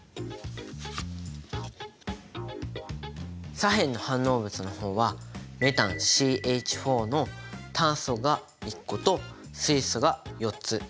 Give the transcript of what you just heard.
左辺の反応物の方はメタンＣＨの炭素が１個と水素が４つ。